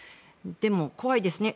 でも、怖いですね。